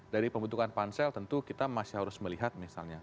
dari pembentukan pansel tentu kita masih harus melihat misalnya